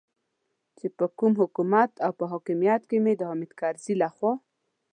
چې په حکومت او په حاکمیت کې مې د حامد کرزي لخوا.